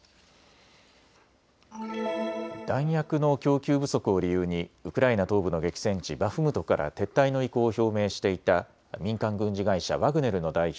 弾薬の供給不足を理由にウクライナ東部の激戦地バフムトから撤退の意向を表明していた民間軍事会社、ワグネルの代表